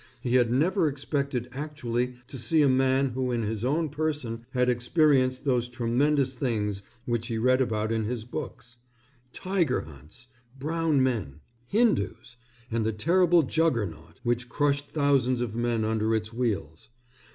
He had never expected actually to see a man who in his own person had experienced those tremendous things which he read about in his books tiger hunts, brown men, Hindus, and the terrible Juggernaut, which crushed thousands of men under its wheels.